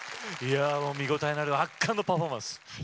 見応えのある圧巻のパフォーマンス。